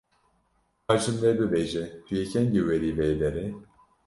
Ka ji min re bibêje tu yê kengî werî vê derê.